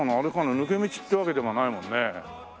抜け道ってわけではないもんね。